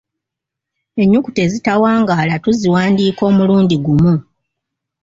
Ennyukuta ezitawangaala, tuziwandiika omulundi gumu.